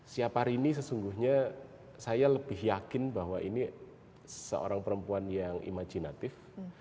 siapa rini sesungguhnya saya lebih yakin bahwa ini seorang perempuan yang imajinatif